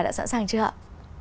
đã sẵn sàng chưa ạ